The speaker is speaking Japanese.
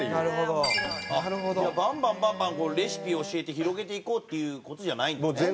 じゃあバンバンバンバンレシピを教えて広げていこうっていう事じゃないんだね。